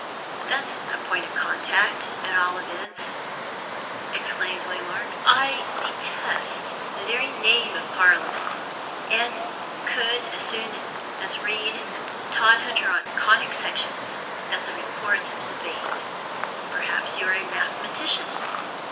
"That's a point of contact, at all events," exclaimed Waymark. "I detest the very name of Parliament, and could as soon read Todhunter on Conic Sections as the reports of a debate. Perhaps you're a mathematician?"